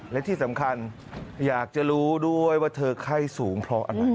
และที่สำคัญอยากจะรู้ด้วยว่าเธอไข้สูงเพราะอะไร